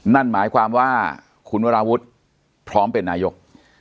นั่นหมายความว่าคุณวราวุฒิพร้อมเป็นนายก